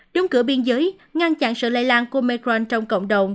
đúng cửa biên giới ngăn chặn sự lây lan của omicron trong cộng đồng